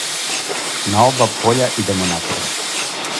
На оба поља идемо напред.